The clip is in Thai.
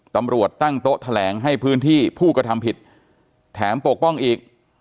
ตำรวจตั้งโต๊ะแถลงให้พื้นที่ผู้กระทำผิดแถมปกป้องอีก